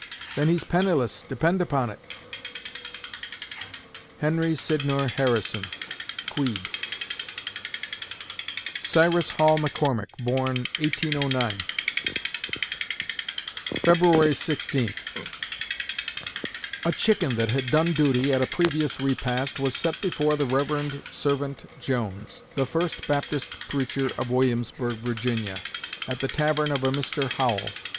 Then he's penniless, depend upon it!" HENRY SYDNOR HARRISON (Queed) Cyrus Hall McCormick born, 1809 February Sixteenth A chicken that had done duty at a previous repast was set before the Rev. Scervant Jones, the first Baptist preacher of Williamsburg, Virginia, at the tavern of a Mr. Howl.